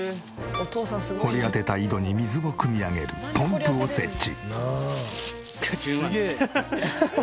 掘り当てた井戸に水をくみ上げるポンプを設置。